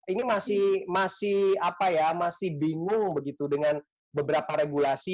ini masih masih apa ya masih bingung begitu dengan beberapa regulasi